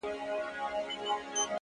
o واه واه؛ خُم د شرابو ته راپرېوتم؛ بیا؛